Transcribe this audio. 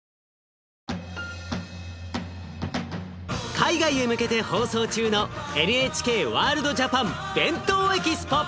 海外へ向けて放送中のＮＨＫワールドＪＡＰＡＮ「ＢＥＮＴＯＥＸＰＯ」！